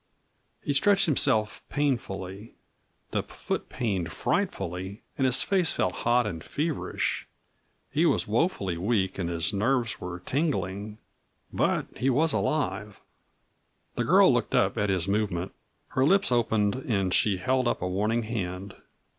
He stretched himself painfully. The foot pained frightfully, and his face felt hot and feverish; he was woefully weak and his nerves were tingling but he was alive. The girl looked up at his movement. Her lips opened and she held up a warning hand.